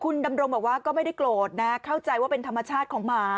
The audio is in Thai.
คุณดำรงบอกว่าก็ไม่ได้โกรธนะเข้าใจว่าเป็นธรรมชาติของหมา